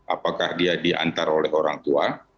apakah dia diantar oleh orang tua